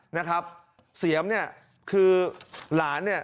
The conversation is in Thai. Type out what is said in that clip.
นะครับเสียมเนี่ยคือหลานเนี่ย